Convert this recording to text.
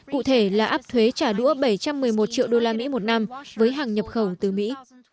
cụ thể là áp thuế trả đũa bảy trăm một mươi một triệu usd một năm với hàng nhập khẩu từ mỹ